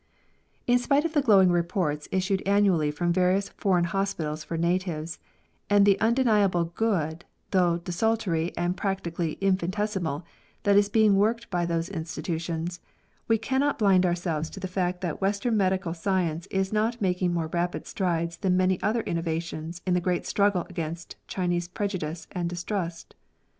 In spite of the glowing reports issued annually from various foreign hospitals for natives, and the unde niable good, though desultory and practically infini tesimal, that is being worked by those institutions, we cannot blind ourselves to the fact that western medical science is not making more rapid strides than many other innovations in the great struggle against Chinese prejudice and distrust.